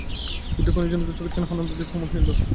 বৃদ্ধের ক্ষীণজ্যোতি চোখদুটি স্নেহে ও আনন্দে দীপ্যমান হইয়া উঠিল।